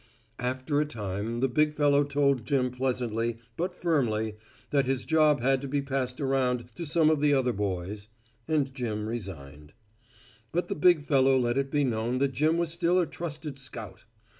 After a time the big fellow told Jim pleasantly, but firmly, that his job had to be passed around to some of the other boys, and Jim resigned. But the big fellow let it be known that Jim was still a trusted scout.